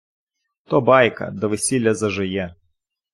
то байка, – до весіля зажиє